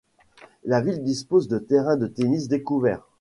La ville dispose de terrain de tennis découvert.